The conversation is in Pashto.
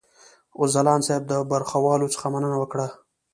ځلاند صاحب د برخوالو څخه مننه وکړه.